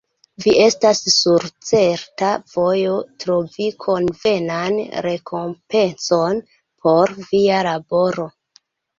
Vi estas sur certa vojo, trovi konvenan rekompencon por Via laboro!